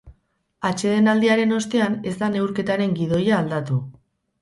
Atsedenaldiaren ostean ez da neurketaren gidoia aldatu.